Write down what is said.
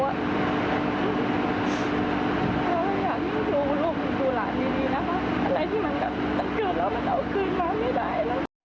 แล้วมันอยากยิ่งดูลูกดูหลานดีนะคะอะไรที่มันจะเกิดแล้วมันจะเอาคืนมาไม่ได้